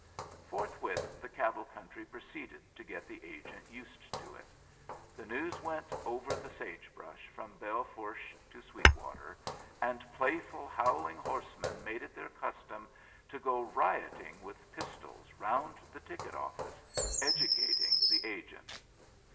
Forthwith the cattle country proceeded to get the agent used to it. The news went over the sage brush from Belle Fourche to Sweetwater, and playful, howling horsemen made it their custom to go rioting with pistols round the ticket office, educating the agent.